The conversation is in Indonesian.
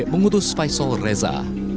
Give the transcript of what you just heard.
mengutus faisal reza